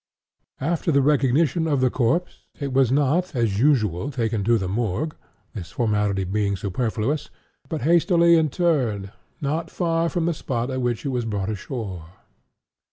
After the recognition of the corpse, it was not, as usual, taken to the Morgue, (this formality being superfluous,) but hastily interred not far from the spot at which it was brought ashore.